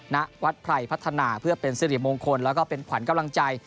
ณวัดไพรพัฒนาเพื่อเป็นสิริมงคลแล้วก็เป็นขวัญกำลังใจ